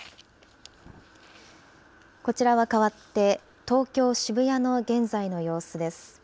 こちらは変わって、東京・渋谷の現在の様子です。